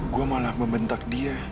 gue malah membentak dia